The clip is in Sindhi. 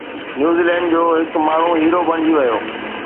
نيوزيلينڊ جو هڪ ماڻهو هيرو بڻجي ويو